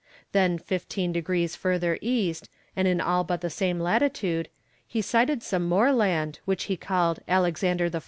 Then fifteen degrees further east, and in all but the same latitude, he sighted some more land which he called Alexander I.'